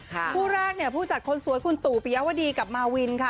คู่แรกเนี่ยผู้จัดคนสวยคุณตู่ปิยาวดีกับมาวินค่ะ